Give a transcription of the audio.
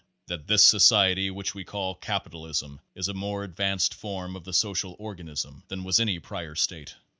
That this society which we call Capitalism is a more advanced form of the social organism than was any prior state.